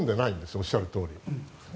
おっしゃるとおり。